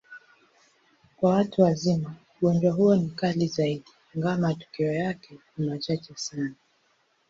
Kwa watu wazima, ugonjwa huo ni kali zaidi, ingawa matukio yake ni machache sana.